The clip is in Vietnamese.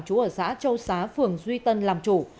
chú ở xã châu xá phường duy tân làm chủ